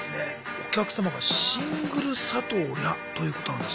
お客様が「シングル里親」ということなんです。